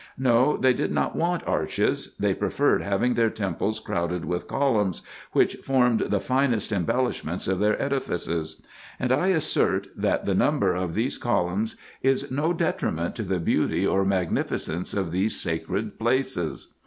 No, they did not want arches they preferred having their temples crowded with columns, which formed the finest embellishments of their edifices ; and I assert, that the number of these columns is no detriment to the beauty or magnificence of these sacred places.